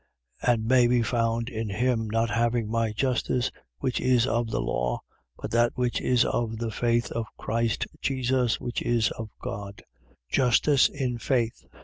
3:9. And may be found in him, not having my justice, which is of the law, but that which is of the faith of Christ Jesus, which is of God: justice in faith.